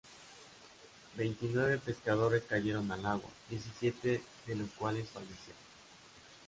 Veintinueve pescadores cayeron al agua, diecisiete de los cuales fallecieron.